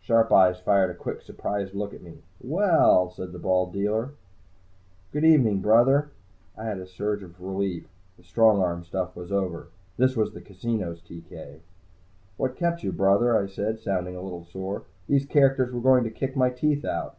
Sharp eyes fired a quick, surprised look at me. "Well," said the bald dealer. "Good evening, Brother." I had a surge of relief. The strong arm stuff was over. This was the casino's TK. "What kept you, Brother?" I said, sounding a little sore. "These characters were going to kick my teeth out."